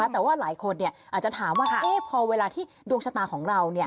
แต่ว่าหลายคนอาจจะถามว่าพอเวลาที่ดวงชะตาของเรา